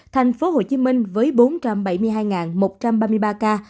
thành phố hồ chí minh với bốn trăm bảy mươi hai một trăm ba mươi ba ca